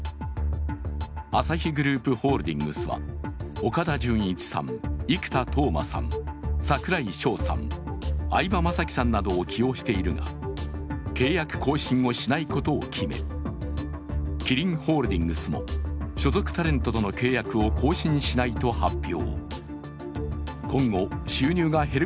アサヒグループホールディングスは岡田准一さん、生田斗真さん櫻井翔さん、相葉雅紀さんなどを起用しているが契約更新をしないことを決めキリンホールディングスも所属タレントとの契約を更新しないと発表。